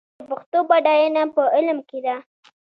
د پښتو بډاینه په علم کې ده.